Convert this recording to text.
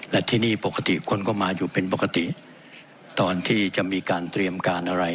และที่นี่ปกติคนก็มาอยู่เป็นปกติตอนที่จะมีการเตรียมการอะไร